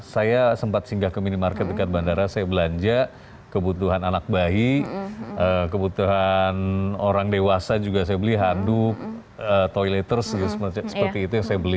saya sempat singgah ke minimarket dekat bandara saya belanja kebutuhan anak bayi kebutuhan orang dewasa juga saya beli handuk toileters seperti itu yang saya beli